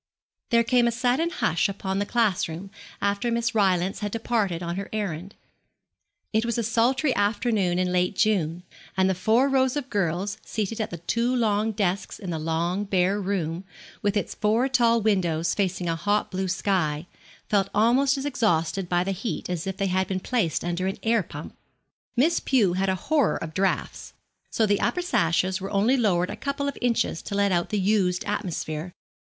There came a sudden hush upon the class room after Miss Rylance had departed on her errand. It was a sultry afternoon in late June, and the four rows of girls seated at the two long desks in the long bare room, with its four tall windows facing a hot blue sky, felt almost as exhausted by the heat as if they had been placed under an air pump. Miss Pew had a horror of draughts, so the upper sashes were only lowered a couple of inches, to let out the used atmosphere.